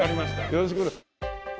よろしく。